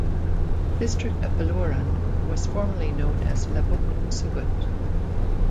The district of Beluran was formerly known as Labuk-Sugut.